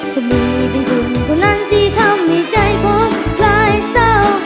ก็มีเป็นคนตัวนั้นที่ทำให้ใจผมปลายเศร้า